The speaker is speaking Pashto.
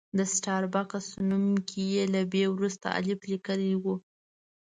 د سټار بکس نوم کې یې له بي وروسته الف لیکلی و.